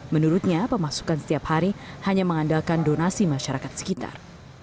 menurutnya pemasukan setiap hari hanya mengandalkan donasi masyarakat sekitar